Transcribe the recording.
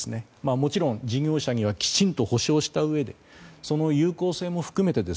もちろん、事業者にはきちんと補償したうえでその有効性も含めて